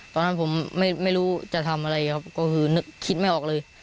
ตอนนั้นผมไม่รู้จะทำอะไรครับก็คือนึกคิดไม่ออกเลย